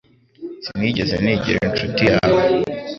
Sinigeze nigira inshuti yawe